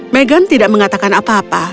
meghan tidak mengatakan apa apa